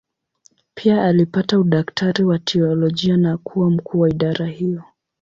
Pia alipata udaktari wa teolojia na kuwa mkuu wa idara hiyo.